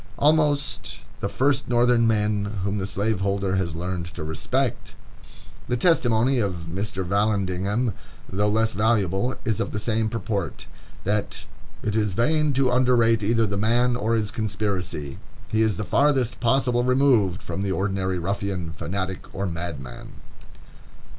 Almost the first Northern men whom the slaveholder has learned to respect! The testimony of Mr. Vallandigham, though less valuable, is of the same purport, that "it is vain to underrate either the man or his conspiracy.... He is the farthest possible removed from the ordinary ruffian, fanatic, or madman."